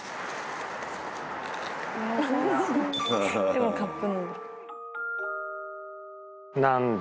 でもカップ。